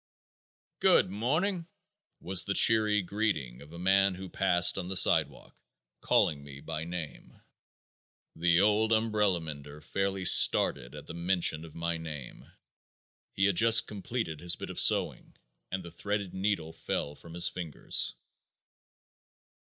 "Good morning!" was the cheery greeting of a man who passed on the sidewalk, calling me by name. The old umbrella mender fairly started at the mention of my name. He had just completed his bit of sewing and the threaded needle fell from his fingers.